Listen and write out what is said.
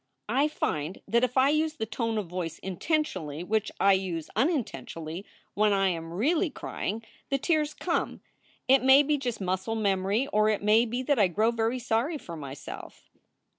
"I find that if I use the tone of voice intentionally which I use unintentionally when I am really crying, the tears come. It may be just muscle memory or it may be that I grow very sorry for myself.